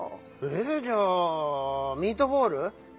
ええ⁉じゃあミートボール？